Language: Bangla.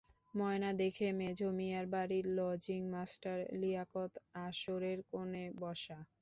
ময়না দেখে মেঝো মিয়ার বাড়ির লজিং মাস্টার লিয়াকত আসরের কোণে বসা।